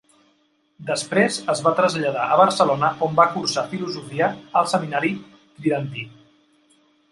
Després es va traslladar a Barcelona on va cursar filosofia al Seminari Tridentí.